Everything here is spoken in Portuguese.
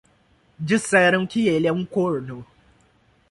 Disseram que ele é um corno.